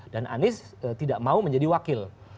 dan anies tidak mau menjadi wakil